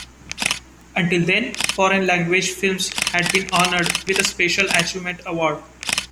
Until then, foreign-language films had been honored with the Special Achievement Award.